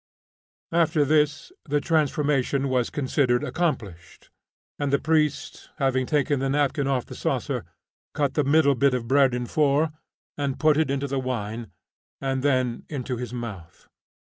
After this the transformation was considered accomplished, and the priest having taken the napkin off the saucer, cut the middle bit of bread in four, and put it into the wine, and then into his mouth.